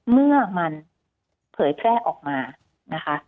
เมื่อมันเผยแพร่ออกมานะคะ